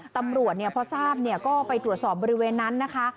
ตำรวจพอทราบก็ไปตรวจสอบบริเวณนั้นนะคะ